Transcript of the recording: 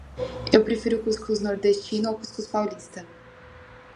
Eu prefiro o cuscuz nordestino ao cuscuz paulista.